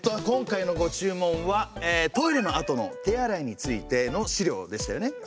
今回のご注文は「トイレのあとの手洗い」についての資料でしたよね。